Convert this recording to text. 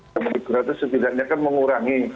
budi gratis setidaknya akan mengurangi